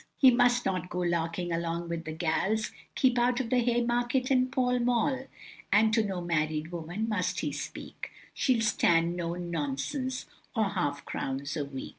He must not go larking along with the gals, Keep out of the Haymarket and Pall Mall; And to no married woman must he speak, She'll stand no nonsense or half crowns a week.